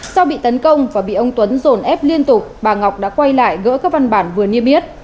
sau bị tấn công và bị ông tuấn dồn ép liên tục bà ngọc đã quay lại gỡ các văn bản vừa niêm yết